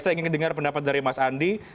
saya ingin dengar pendapat dari mas andi